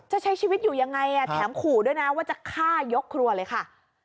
ใช้ชีวิตอยู่ยังไงแถมขู่ด้วยนะว่าจะฆ่ายกครัวเลยค่ะ